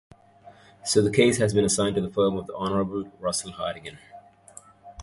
So, the case has been assigned to the firm of the Honorable Russell Hartigan.